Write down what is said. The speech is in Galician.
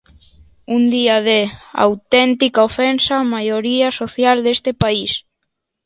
Un día de auténtica ofensa á maioría social deste país.